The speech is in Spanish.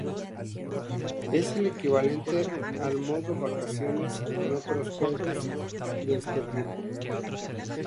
Es el equivalente al modo vacaciones en otros juegos de este tipo.